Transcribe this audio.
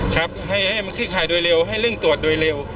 ครับให้มันคลี่คลายโดยเร็วให้เร่งตรวจโดยเร็ว